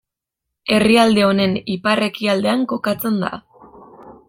Herrialde honen ipar-ekialdean kokatzen da.